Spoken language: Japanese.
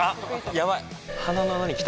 ヤバい。